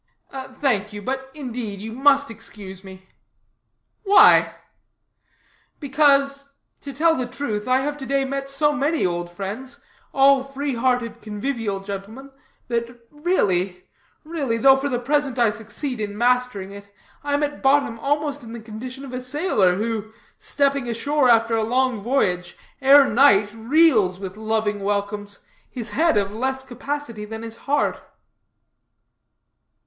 "Thank you; but indeed, you must excuse me." "Why?" "Because, to tell the truth, I have to day met so many old friends, all free hearted, convivial gentlemen, that really, really, though for the present I succeed in mastering it, I am at bottom almost in the condition of a sailor who, stepping ashore after a long voyage, ere night reels with loving welcomes, his head of less capacity than his heart."